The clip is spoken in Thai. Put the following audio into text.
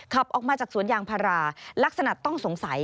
ขับออกมาจากสวนยางพาราลักษณะต้องสงสัย